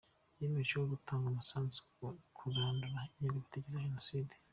Yiyemeje gutanga umusanzu mu kurandura ingengabitekerezo ya Jenoside.